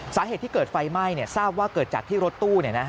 สาเหตุที่เกิดไฟไหม้ทราบว่าเกิดจากที่รถตู้